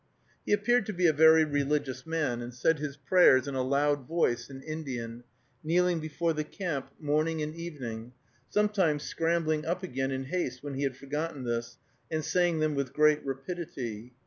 He appeared to be a very religious man, and said his prayers in a loud voice, in Indian, kneeling before the camp, morning and evening, sometimes scrambling up again in haste when he had forgotten this, and saying them with great rapidity.